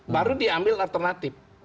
baru diambil alternatif